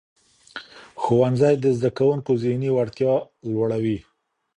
ښوونځی د زدهکوونکو ذهني وړتیا لوړوي.